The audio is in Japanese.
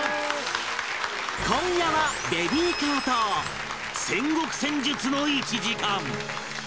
今夜はベビーカーと戦国戦術の１時間